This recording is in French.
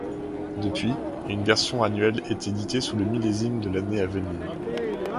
Depuis, une version annuelle est éditée sous le millésime de l'année à venir.